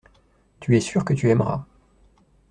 Tu es sûr que tu aimeras.